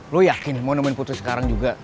lu yakin mau nemuin putri sekarang juga